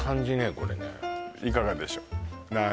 これねいかがでしょう？